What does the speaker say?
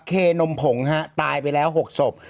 เคนมผงฮะตายไปแล้ว๖ศพ